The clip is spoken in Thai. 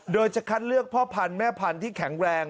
โดยจะคัดเลือกพ่อพันธุ์แม่พันธุ์ที่แข็งแรง